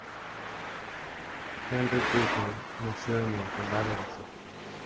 Henry Purcell nació en el condado de St.